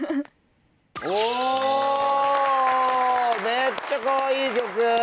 めっちゃかわいい曲！